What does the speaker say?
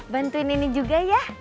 bantuin ini juga ya